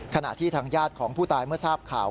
ขณะที่ทางญาติของผู้ตายเมื่อทราบข่าว